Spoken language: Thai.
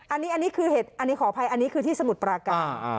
อันนี้คือเห็ดอันนี้ขออภัยอันนี้คือที่สมุทรปราการ